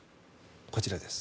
こちらです。